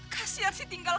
kasian sih tinggal